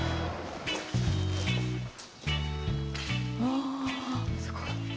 おすごい。